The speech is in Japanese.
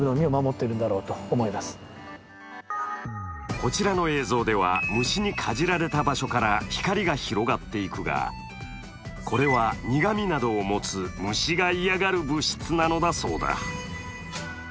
こちらの映像では、虫にかじられた場所から光が広がっていくがこれは苦みなどを持つ虫が嫌がる物質なのだそうだ。